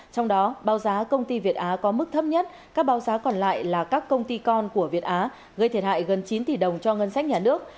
trong đó báo giá công ty việt á có mức thấp nhất các báo giá còn lại là các công ty con của việt á gây thiệt hại gần chín tỷ đồng cho ngân sách nhà nước